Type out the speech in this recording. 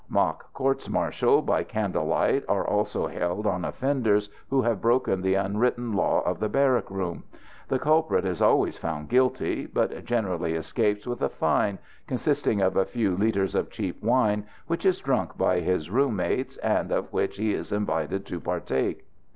Mock courts martial by candle light are also held on offenders who have broken the unwritten law of the barrack room. The culprit is always found guilty, but generally escapes with a fine, consisting of a few litres of cheap wine, which is drunk by his room mates, and of which he is invited to partake.